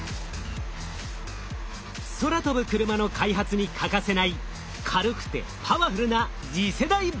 空飛ぶクルマの開発に欠かせない軽くてパワフルな次世代バッテリー。